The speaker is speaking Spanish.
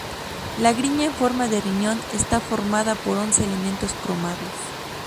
La grilla en forma de riñón está formada por once elementos cromados.